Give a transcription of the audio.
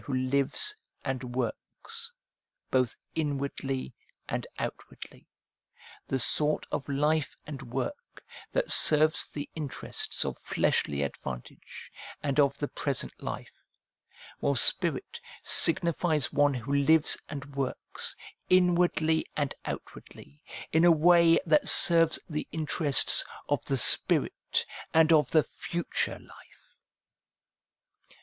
who lives and works, both inwardly and outwardly, the sort of life and work that serves the interests of fleshly advantage and of the present life ; while spirit signifies one who lives and works, inwardly and outwardly, in a way that serves the interests of the spirit and of the future life.